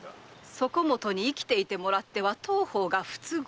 そこ許に生きていてもらっては当方が不都合。